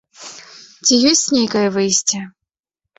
Ці ёсць нейкае выйсце?